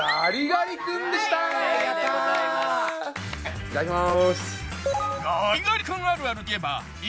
いただきます。